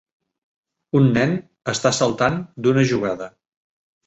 Un nen està saltant d'una jugada.